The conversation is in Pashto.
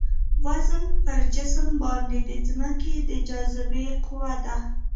وزن پر جسم باندې د ځمکې د جاذبې قوه ده.